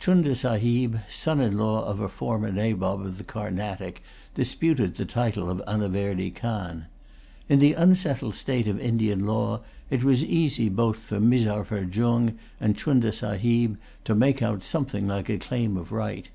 Chunda Sahib, son in law of a former Nabob of the Carnatic, disputed the title of Anaverdy Khan. In the unsettled state of Indian law it was easy for both Mirzapha Jung and Chunda Sahib to make out something like a claim of right.